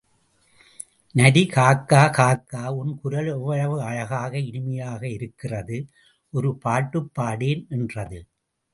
நரி— காக்கா காக்கா—உன் குரல் எவ்வளவு அழகாக—இனிமையாக இருக்கிறது, ஒரு பாட்டுப் பாடேன் என்றது.